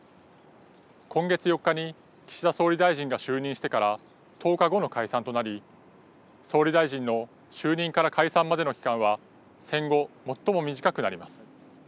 今月４日に岸田総理大臣が就任してから１０日後の解散となり総理大臣の就任から解散までの期間は戦後、最も短くなります。